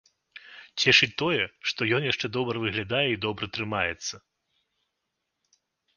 Цешыць тое, што ён яшчэ добра выглядае і добра трымаецца.